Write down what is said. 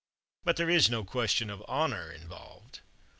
But there is no question of honor involved.